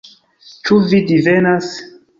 Ĉu vi divenas?